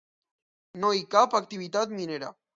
No hi cap activitat minera.